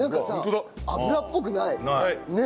油っぽくない。